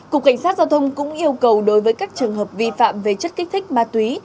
cục cảnh sát giao thông cũng yêu cầu đối với các trường hợp vi phạm về chất kích thích ma túy